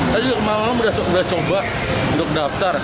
saya juga malam malam sudah coba untuk daftar